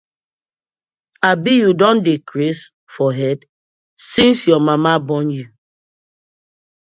Abi yu don dey craze for head since yur mama born yu.